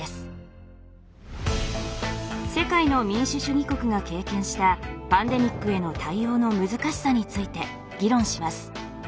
世界の民主主義国が経験したパンデミックへの対応の難しさについて議論します。